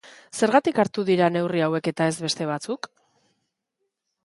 Zergatik hartu dira neurri hauek eta ez beste batzuk?